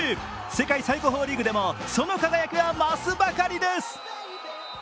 世界最高峰リーグでもその輝きは増すばかりです。